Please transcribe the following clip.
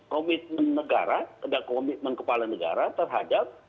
komitmen negara dan komitmen kepala negara terhadap